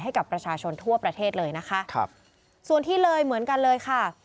ให้กับประชาชนทั่วประเทศเลยนะคะครับส่วนที่เลยเหมือนกันเลยค่ะ